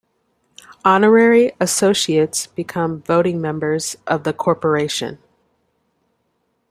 Honorary Associates become voting members of the corporation.